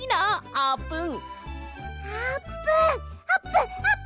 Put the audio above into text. あーぷん！